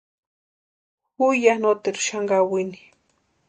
Ju ya noteru xani kawini.